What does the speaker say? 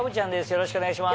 よろしくお願いします。